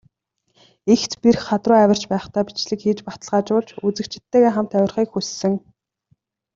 Эгц бэрх хад руу авирч байхдаа бичлэг хийж, баталгаажуулж, үзэгчидтэйгээ хамт авирахыг хүссэн.